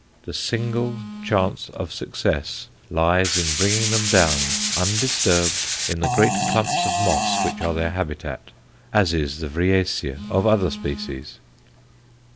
The single chance of success lies in bringing them down, undisturbed, in the great clumps of moss which are their habitat, as is the Vriesia of other species.